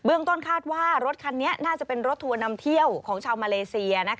ต้นคาดว่ารถคันนี้น่าจะเป็นรถทัวร์นำเที่ยวของชาวมาเลเซีย